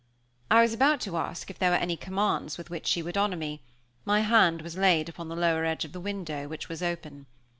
I was about to ask if there were any commands with which she would honor me my hand was laid upon the lower edge of the window, which was open.